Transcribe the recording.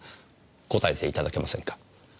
答えていただけませんか？